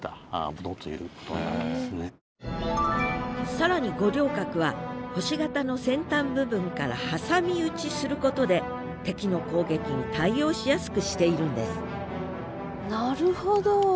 更に五稜郭は星形の先端部分から挟み撃ちすることで敵の攻撃に対応しやすくしているんですなるほど。